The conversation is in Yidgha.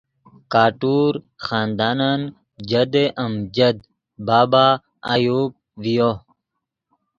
کٹور خاندانن جدِ امجد بابا ایوب ڤیو